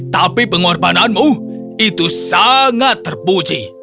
tapi pengorbananmu itu sangat terpuji